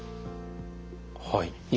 はい。